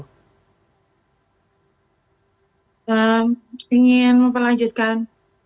saya ingin melanjutkan